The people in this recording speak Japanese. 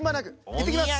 いってきます。